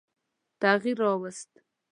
تغییر را ووست.